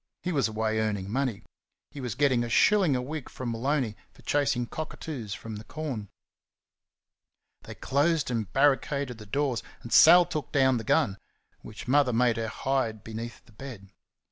He was away earning money. He was getting a shilling a week from Maloney, for chasing cockatoos from the corn. They closed and barricaded the doors, and Sal took down the gun, which Mother made her hide beneath the bed.